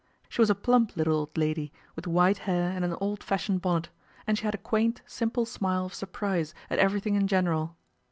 She was a plump, little old lady, with white hair and an old fashioned bonnet, and she had a quaint, simple smile of surprise at everything in general.